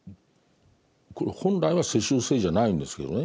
これ本来は世襲制じゃないんですけどね。